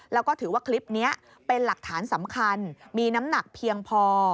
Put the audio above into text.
แล้วก็ถือว่าคลิปนี้เป็นหลักฐานสำคัญมีน้ำหนักเพียงพอ